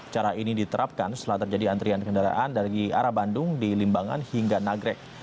cara ini diterapkan setelah terjadi antrian kendaraan dari arah bandung di limbangan hingga nagrek